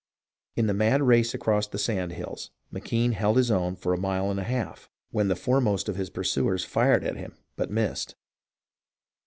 In the mad race across the sand hills, McKenne held his own for a mile and a half, when the foremost of his pursuers fired at him but missed.